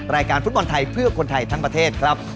รายการฟุตบอลไทยเพื่อคนไทยทั้งประเทศครับ